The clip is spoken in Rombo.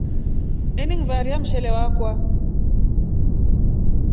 Enengivaria mshele wakwa.